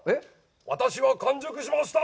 私は完熟しました！